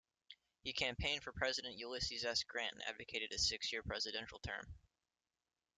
He campaigned for President Ulysses S. Grant and advocated a six-year presidential term.